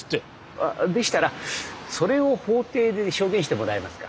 あっでしたらそれを法廷で証言してもらえますか？